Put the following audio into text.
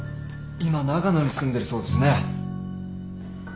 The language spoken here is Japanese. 今長野に住んでるそうですね。